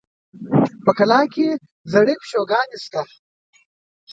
په کلاخ کلي کې زړې پيکوگانې شته.